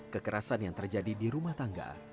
kekerasan yang terjadi di rumah tangga